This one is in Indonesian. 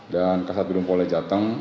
dan kasat birun pole jateng